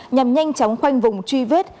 nhằm nhanh chóng khoanh vùng truy vết